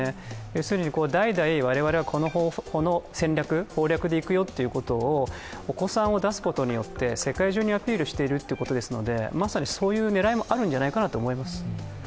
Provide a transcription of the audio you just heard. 要するに、代々我々はこの戦略でいくよということをお子さんを出すことによって世界中にアピールしているということですのでまさにそういう狙いもあるんじゃないかなと思います。